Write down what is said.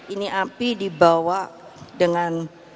ini api dibawa dengan